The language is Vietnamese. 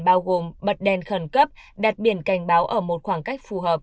bao gồm bật đèn khẩn cấp đặt biển cảnh báo ở một khoảng cách phù hợp